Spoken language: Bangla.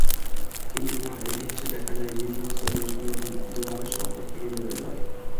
কিন্তু না, ইতিহাসে দেখা যায়, ঋণগ্রস্ত দেশগুলো দুভাবে সংকট থেকে বেরোতে পারে।